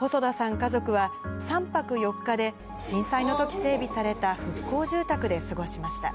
家族は、３泊４日で震災のとき整備された復興住宅で過ごしました。